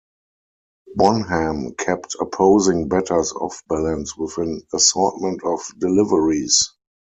Bonham kept opposing batters off balance with an assortment of deliveries.